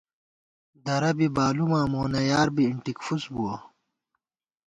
درہ بی بالُوماں مونہ یار بی اِنٹِک فُوس بُوَہ